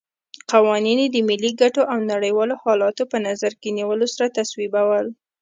قوانین یې د ملي ګټو او نړیوالو حالاتو په نظر کې نیولو سره تصویبول.